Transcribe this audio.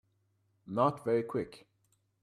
Not very Quick